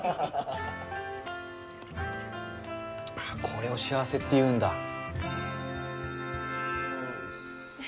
あこれを幸せっていうんだ。